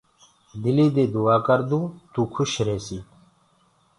دلي دي دُآآ ڪردون تو کُش ريهسي